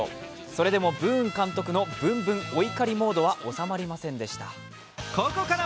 それでもブーン監督のブンブンお怒りモードは収まりませんでした。